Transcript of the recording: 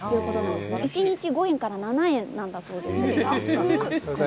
一日５円から７円ぐらいだそうです。